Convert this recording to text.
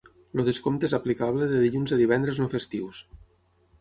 El descompte és aplicable de dilluns a divendres no festius.